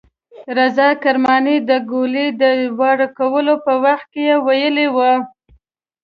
رضا کرماني د ګولۍ د وار کولو په وخت کې ویلي وو.